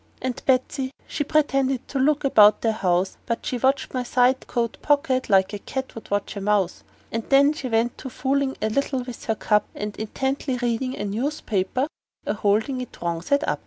And Betsey, she pretended to look about the house, But she watched my side coat pocket like a cat would watch a mouse: And then she went to foolin' a little with her cup, And intently readin' a newspaper, a holdin' it wrong side up.